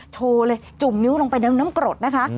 โชว์เลยจุ่มนิ้วลงไปในน้ำกรดนะคะ